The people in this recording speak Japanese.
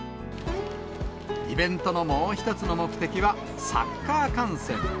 イベントのもう１つの目的は、サッカー観戦。